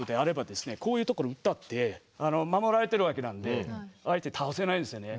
こういうところ打ったって守られてるわけなんで相手倒せないんですよね。